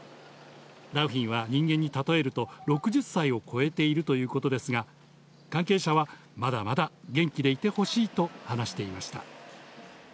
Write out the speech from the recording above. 良浜は人間に例えると６０歳を超えているということですが、関係者はまだまだ元気でいてほしいと話していました。